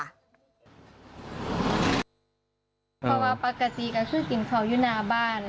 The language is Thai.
พอมาปากฏีก็ช่วยกิ่งเขาอยู่หน้าบ้าน